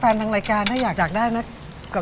แฟนทางรายการถ้าอยากจากได้นะ